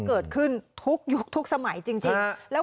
เกิดขึ้นทุกยุคทุกสมัยจริงแล้ว